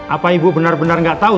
apa ibu benar benar gak tau